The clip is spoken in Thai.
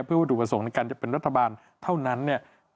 เพื่อวัตถุประสงค์ในการจะเป็นรัฐบาลเท่านั้นเนี่ย